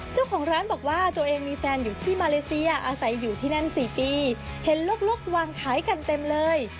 เจ้าของร้านบอกว่าตัวเองมีแฟนอยู่ที่มาเลเซียอาศัยอยู่ที่นั่นสี่ปีเห็นลูกวางขายกันเต็มเลย